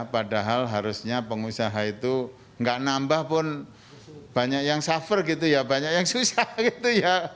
padahal harusnya pengusaha itu nggak nambah pun banyak yang suffer gitu ya banyak yang susah gitu ya